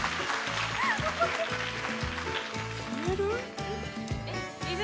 消える？